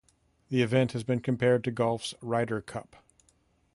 The event has been compared to golf's Ryder Cup.